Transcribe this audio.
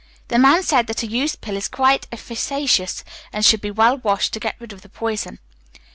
The man said that a used pill is quite efficacious, but should be well washed to get rid of the poison.